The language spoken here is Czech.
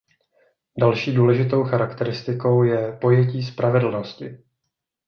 Další důležitou charakteristikou je pojetí spravedlnosti.